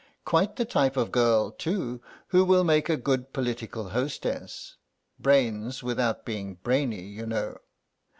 Quite the type of girl, too, who will make a good political hostess, brains without being brainy, you know.